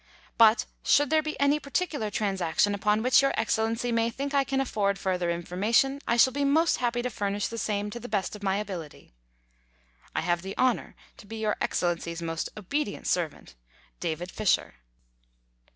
But should there be any particular transaction upon which Your Excellency may think I can afford further information, I shall be most happy to furnish the same to the best of my ability. I have the honour to be Your Excellency's Most obedient servant, DAVID FISHER.